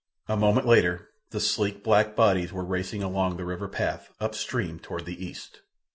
A moment later the sleek, black bodies were racing along the river path, up stream, toward the east.